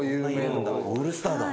オールスターだ。